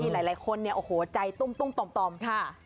ที่หลายคนใจตุ้มต่อค่ะ